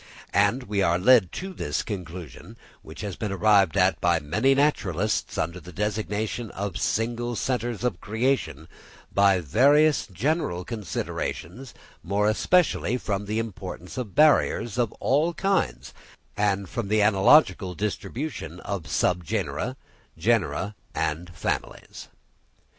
And we are led to this conclusion, which has been arrived at by many naturalists under the designation of single centres of creation, by various general considerations, more especially from the importance of barriers of all kinds, and from the analogical distribution of subgenera, genera, and families.